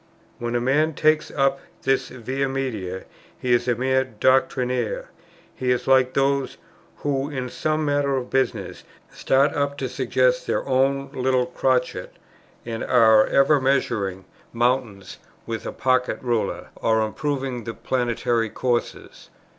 "When a man takes up this Via Media, he is a mere doctrinaire;" he is like those, "who, in some matter of business, start up to suggest their own little crotchet, and are ever measuring mountains with a pocket ruler, or improving the planetary courses."